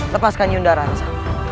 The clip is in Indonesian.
lepaskan yundara rasa